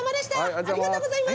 ありがとうございます。